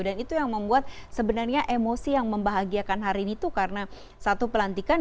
dan itu yang membuat sebenarnya emosi yang membahagiakan hari itu karena satu pelantikan